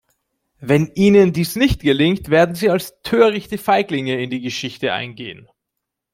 Wenn ihnen dies nicht gelingt, werden sie als törichte Feiglinge in die Geschichte eingehen.